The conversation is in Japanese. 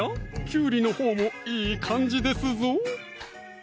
きゅうりのほうもいい感じですぞ